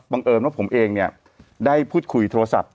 บังเอิญว่าผมเองได้พูดคุยโทรศัพท์